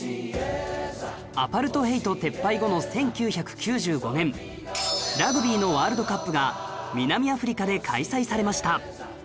アパルトヘイト撤廃後の１９９５年ラグビーのワールドカップが南アフリカで開催されました